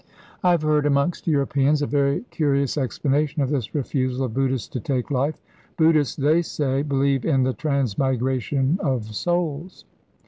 I have heard amongst Europeans a very curious explanation of this refusal of Buddhists to take life. 'Buddhists,' they say, 'believe in the transmigration of souls.